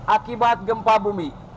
akibat gempa bumi